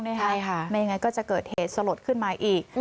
ไม่อย่างไรก็จะเกิดเหตุสลดขึ้นมาอีก